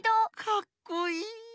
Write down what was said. かっこいい。